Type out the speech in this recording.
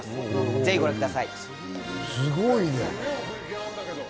ぜひご覧ください。